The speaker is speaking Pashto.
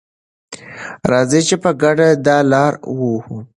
راځئ چې په ګډه دا لاره ووهو.